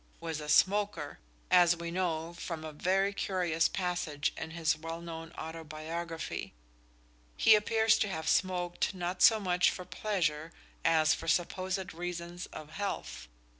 _ was a smoker, as we know from a very curious passage in his well known autobiography. He appears to have smoked not so much for pleasure as for supposed reasons of health.